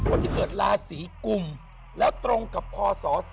วันที่เกิดลาศรีกุมแล้วตรงกับพศ๒๔๙๘